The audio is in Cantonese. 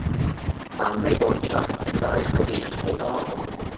但美國而家唐人街，福建人好多